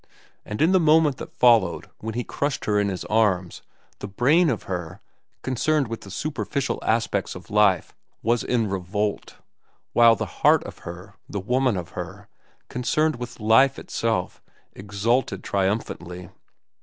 And in the moment that followed, when he crushed her in his arms, the brain of her, concerned with the superficial aspects of life, was in revolt; while the heart of her, the woman of her, concerned with life itself, exulted triumphantly.